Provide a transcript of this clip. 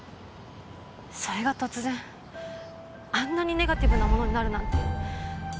それが突然あんなにネガティブなものになるなんて。